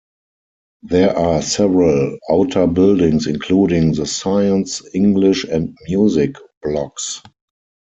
There are several outer buildings including the science, English and music blocks.